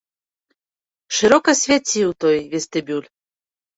Шырока свяціў той вестыбюль.